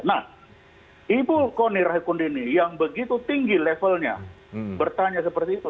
nah ibu kony rahakundini yang begitu tinggi levelnya bertanya seperti itu